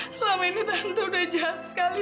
selama ini tentu udah jahat sekali